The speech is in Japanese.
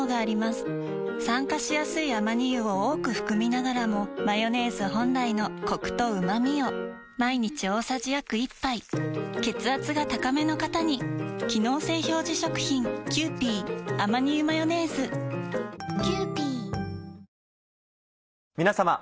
酸化しやすいアマニ油を多く含みながらもマヨネーズ本来のコクとうまみを毎日大さじ約１杯血圧が高めの方に機能性表示食品皆様。